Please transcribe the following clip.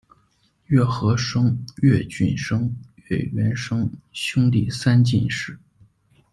岳和声、岳骏声、岳元声，兄弟三进士。